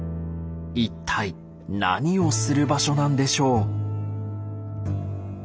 一体何をする場所なんでしょう？